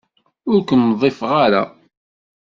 Ur kem-ḍḍifeɣ ara.